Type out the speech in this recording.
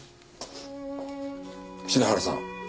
品原さん